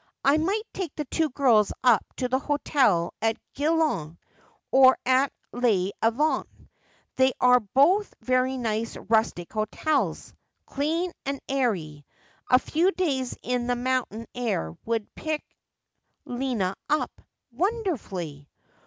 I might take the two girls up to the hotel at Glion, or at Les Avants. They are both very nice rustic hotels, clean and airy. A few days in that mountain air would pick Lina up wonderfully.'